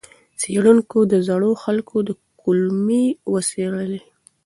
څېړونکو د زړو خلکو کولمې وڅېړلې.